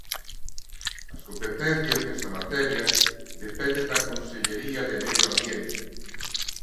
As competencias nesta materia, dependen da Consellería de Medio Ambiente.